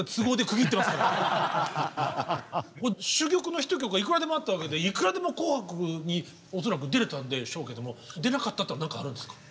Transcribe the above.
もう珠玉のヒット曲はいくらでもあったわけでいくらでも「紅白」に恐らく出れたんでしょうけども出なかったっていうのは何かあるんですか？